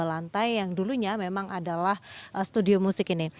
lantai yang dulunya memang adalah studio musik ini